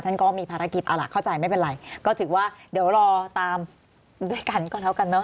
ก็มีภารกิจเอาล่ะเข้าใจไม่เป็นไรก็ถือว่าเดี๋ยวรอตามด้วยกันก็แล้วกันเนอ